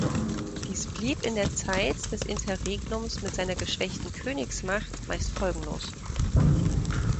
Dies blieb in der Zeit des Interregnums mit seiner geschwächten Königsmacht meist folgenlos.